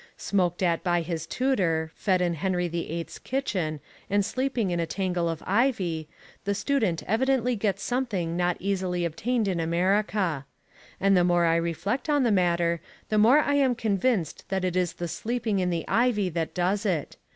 Smoked at by his tutor, fed in Henry VIII's kitchen, and sleeping in a tangle of ivy, the student evidently gets something not easily obtained in America. And the more I reflect on the matter the more I am convinced that it is the sleeping in the ivy that does it.